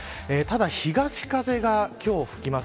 ただ東風が、今日吹きます。